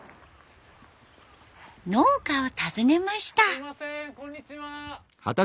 農家を訪ねました。